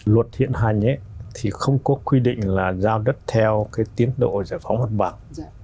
luật thiện hành thì không có quy định là giao đất theo cái tiến độ giải phóng văn bản